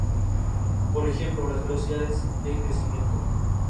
Por ejemplo, las velocidades de crecimiento.